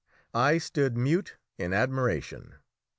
I stood mute with admiration.